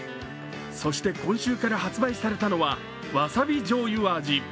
そして、今週から発売されたのはわさび醤油味。